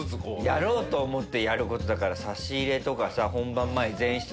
やろうと思ってやることだから差し入れとかさ本番前前室。